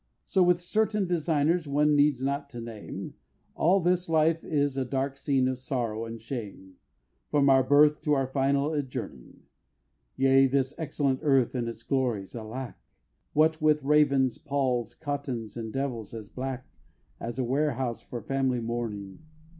So with certain designers, one needs not to name, All this life is a dark scene of sorrow and shame, From our birth to our final adjourning Yea, this excellent earth and its glories, alack! What with ravens, palls, cottons, and devils, as black As a Warehouse for Family Mourning!